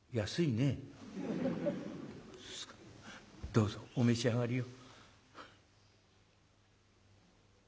「どうぞお召し上がりを」。